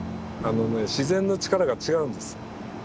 自然の力が違うんです。